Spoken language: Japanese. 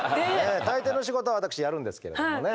大抵の仕事は私やるんですけれどもね